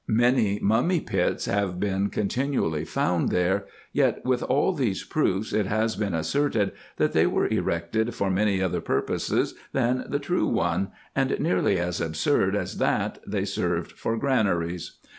Many mummy pits have been continually found there ; yet with all these 278 RESEARCHES AND OPERATIONS proofs, it lias been asserted, that they were erected for many other purposes than the true one, and nearly as absurd as that they served for granaries.